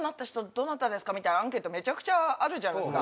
みたいなアンケートめちゃくちゃあるじゃないですか。